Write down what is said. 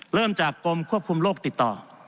เริ่มจากกรมควบคุมโรคติดต่อ